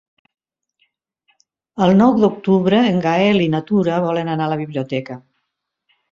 El nou d'octubre en Gaël i na Tura volen anar a la biblioteca.